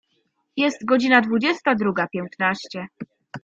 Jest godzina dwudziesta druga piętnaście.